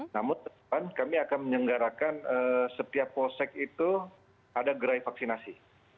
namun ke depan kami akan menyenggarakan setiap polsek itu ada gerai vaksinasi